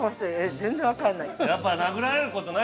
全然分からない。